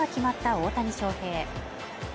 大谷翔平